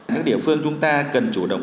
các địa phương chúng ta cần chủ động